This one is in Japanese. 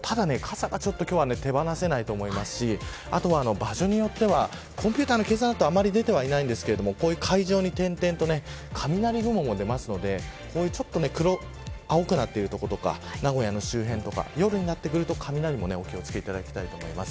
ただ傘が今日は手放さないと思いますしあとは場所によってはコンピューターの計算ではあまり出ていないんですが海上に点々と雷雲も出ますのでちょっと青くなってる所とか名古屋の周辺とか夜になってくると雷にも気を付けてください。